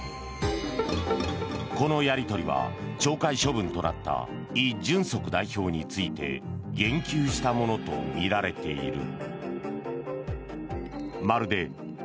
このやり取りは懲戒処分となったイ・ジュンソク代表について言及したものとみられている。